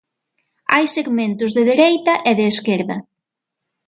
Hai segmentos de dereita e de esquerda.